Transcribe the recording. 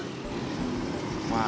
kayaknya gak ada yang mau pinjamnya